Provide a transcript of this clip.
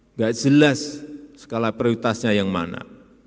nggak jelas skala prioritasnya yang mana